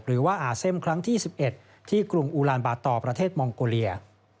หรือว่าอาเซมครั้งที่๑๑ที่กรุงอูลานบาตอร์ประเทศมองโกเลีย